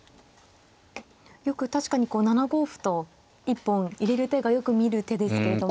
よく確かにこう７五歩と一本入れる手がよく見る手ですけど。